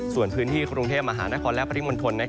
ส่วนพื้นที่คลุงเทพฯมหาธนฑัศน์และพลิมณฑล